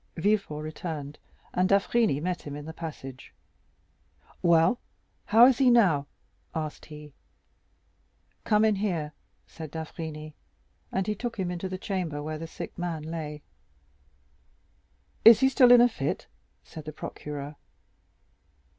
Villefort returned, and d'Avrigny met him in the passage. "Well, how is he now?" asked he. "Come in here," said d'Avrigny, and he took him into the chamber where the sick man lay. "Is he still in a fit?" said the procureur.